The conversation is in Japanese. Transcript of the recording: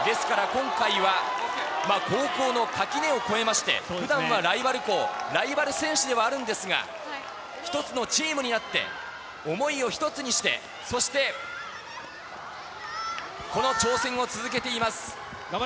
ですから今回は高校の垣根を越えまして、ふだんはライバル校、ライバル選手ではあるんですが、一つのチームになって、思いを一つにして、そしてこの挑戦を続けています。